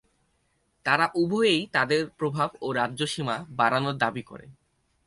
তারা উভয়েই তাদের প্রভাব ও রাজ্য সীমা বাড়ানোর দাবী করে।